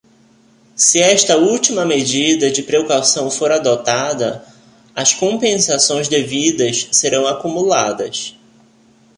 Se esta última medida de precaução for adotada, as compensações devidas serão acumuladas.